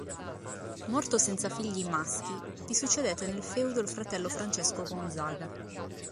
Morto senza figli maschi, gli succedette nel feudo il fratello Francesco Gonzaga.